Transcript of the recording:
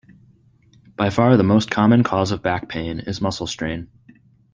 By far the most common cause of back pain is muscle strain.